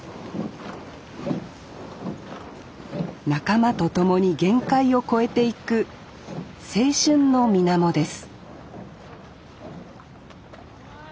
仲間と共に限界を超えていく青春の水面です